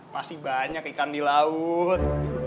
masih banyak ikan di laut